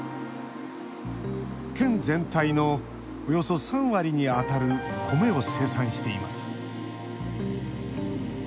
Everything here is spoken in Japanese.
県全体のおよそ３割にあたる米を生産しています。